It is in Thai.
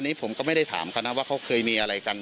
อันนี้ผมก็ไม่ได้ถามเขานะว่าเขาเคยมีอะไรกัน